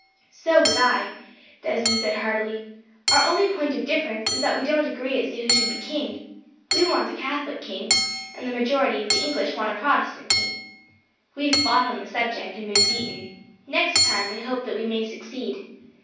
"So would I," Desmond said heartily. "Our only point of difference is that we don't agree as to who should be king. We want a Catholic king, and the majority of the English want a Protestant king. We have fought on the subject, and been beaten. Next time, we hope that we may succeed.